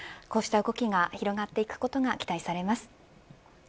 こうした動きが広がっていくことが期待されます。